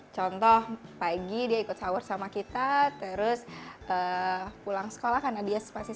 contoh pagi dia ikut sahur sama kita terus pulang sekolah karena dia masih